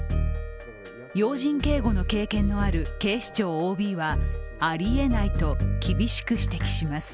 要人警護の経験のある警視庁ＯＢはありえないと厳しく指摘します。